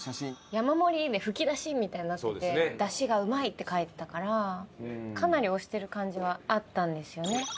「山盛り」で吹き出しみたいになってて「だしが旨い」って書いてたからかなり推してる感じはあったんですよね。